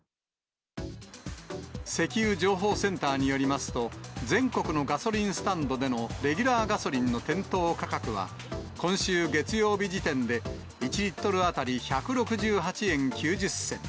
石油情報センターによりますと、全国のガソリンスタンドでのレギュラーガソリンの店頭価格は、今週月曜日時点で、１リットル当たり１６８円９０銭。